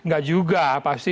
gak juga pasti